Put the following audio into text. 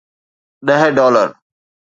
ڏهه ڊالر.